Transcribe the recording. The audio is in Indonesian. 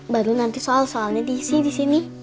baru nanti soal soalnya tc di sini